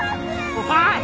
おい！